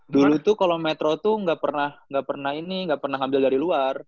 dulu tuh kalo metro tuh gak pernah ini gak pernah ngambil dari luar